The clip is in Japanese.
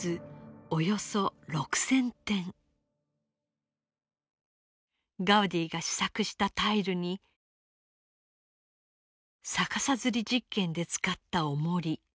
およそガウディが試作したタイルに逆さづり実験で使ったおもり。